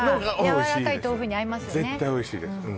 やわらかい豆腐に合いますよね